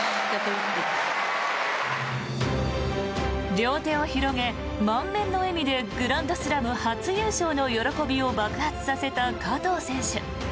両手を広げ、満面の笑みでグランドスラム初優勝の喜びを爆発させた加藤選手。